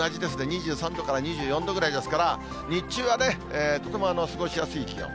２３度から２４度ぐらいですから、日中はね、とても過ごしやすい気温。